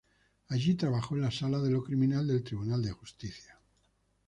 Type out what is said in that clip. Allí trabajó en la Sala de lo Criminal del Tribunal de Justicia.